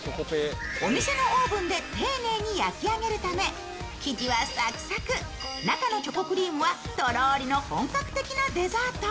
お店のオーブンで丁寧に焼き上げるため生地はサクサク、中のチョコクリームはとろーりの本格的なデザート。